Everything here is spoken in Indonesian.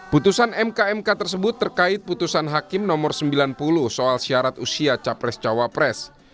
putusan mk mk tersebut terkait putusan hakim nomor sembilan puluh soal syarat usia capres cawapres